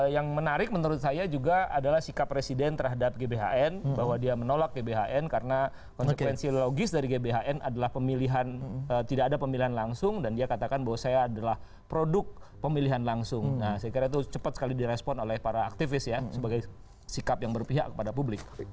yang menarik menurut saya juga adalah sikap presiden terhadap gbhn bahwa dia menolak gbhn karena konsekuensi logis dari gbhn adalah pemilihan tidak ada pemilihan langsung dan dia katakan bahwa saya adalah produk pemilihan langsung saya kira itu cepat sekali direspon oleh para aktivis ya sebagai sikap yang berpihak kepada publik